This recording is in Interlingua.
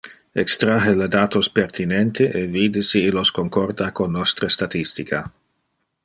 Extrahe le datos pertinente e vide si illos concorda con nostre statistica.